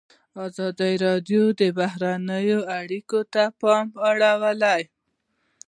ازادي راډیو د بهرنۍ اړیکې ته پام اړولی.